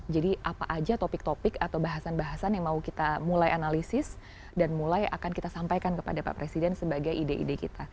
jadi apa aja topik topik atau bahasan bahasan yang mau kita mulai analisis dan mulai akan kita sampaikan kepada pak presiden sebagai ide ide kita